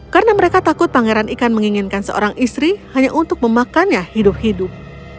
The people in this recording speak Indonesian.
karena mereka takut pangeran ikan menginginkan seorang istri hanya untuk memakannya hidup hidup